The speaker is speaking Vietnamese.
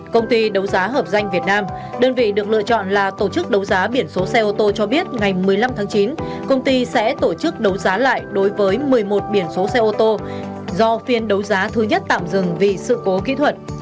công ty đấu giá hợp danh việt nam đơn vị được lựa chọn là tổ chức đấu giá biển số xe ô tô cho biết ngày một mươi năm tháng chín công ty sẽ tổ chức đấu giá lại đối với một mươi một biển số xe ô tô do phiên đấu giá thứ nhất tạm dừng vì sự cố kỹ thuật